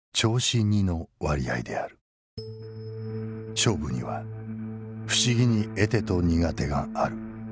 勝負には不思議に得手と苦手がある。